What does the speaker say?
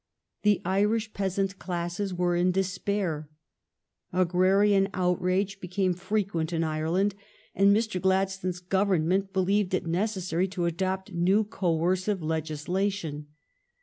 The Irish peasant classes were in despair. Agrarian out rage became frequent in Ireland, and Mr. Glad stone's Government believed it necessary to adopt new coercive legislation.